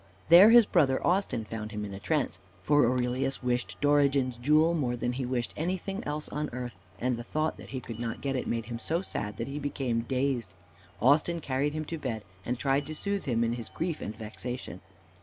There his brother Austin found him in a trance, for Aurelius wished Dorigen's jewel more than he wished anything else on earth, and the thought that he could not get it made him so sad that he became dazed. Austin carried him to bed, and tried to soothe him in his grief and vexation.